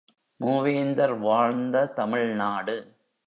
மூவேந்தர் வாழ்ந்த தமிழ்நாடு!